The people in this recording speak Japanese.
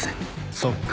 そっか。